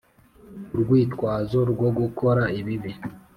Urwitwazo rwo gukora ibibi